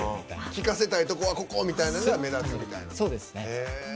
聴かせたいところはここっていうとこが目立つみたいな。